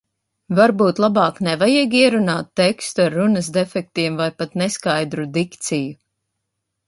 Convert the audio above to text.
Varbūt labāk nevajag ierunāt tekstu ar runas defektiem vai pat neskaidru dikciju?